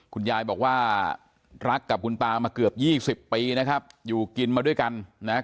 คุณยายบอกว่ารักกับคุณตามาเกือบ๒๐ปีนะครับอยู่กินมาด้วยกันนะครับ